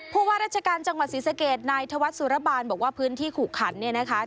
ว่าราชการจังหวัดศรีสะเกดนายธวัฒนสุรบาลบอกว่าพื้นที่ขุขันเนี่ยนะคะ